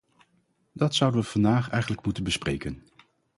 Dat zouden we vandaag eigenlijk moeten bespreken.